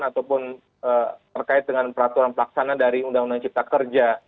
ataupun terkait dengan peraturan pelaksana dari undang undang cipta kerja